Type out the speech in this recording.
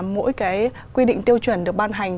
mỗi cái quy định tiêu chuẩn được ban hành